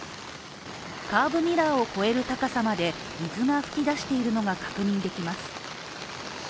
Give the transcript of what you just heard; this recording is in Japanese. カーブミラーを超える高さまで水が噴き出しているのが確認できます。